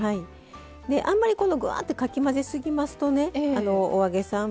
あんまりぐわってかき混ぜすぎますとねお揚げさん